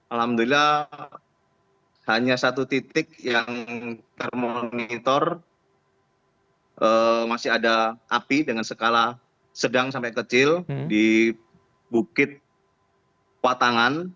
alhamdulillah hanya satu titik yang termonitor masih ada api dengan skala sedang sampai kecil di bukit watangan